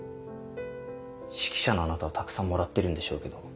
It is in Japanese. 指揮者のあなたはたくさんもらってるんでしょうけど